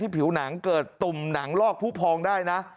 ผิวหนังเกิดตุ่มหนังลอกผู้พองได้นะ